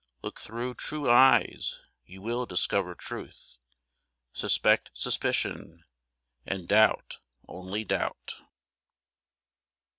Look through true eyes you will discover truth: Suspect suspicion, and doubt only doubt.